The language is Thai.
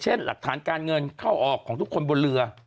หลักฐานการเงินเข้าออกของทุกคนบนเรือ